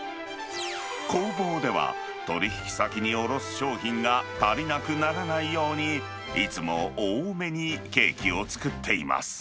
工房では取り引き先に卸す商品が足りなくならないように、いつも多めにケーキを作っています。